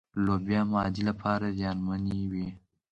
لوبيا معدې لپاره زيانمنې دي.